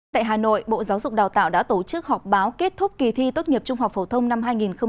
tại hà nội bộ giáo dục đào tạo đã tổ chức họp báo kết thúc kỳ thi tốt nghiệp trung học phổ thông năm hai nghìn hai mươi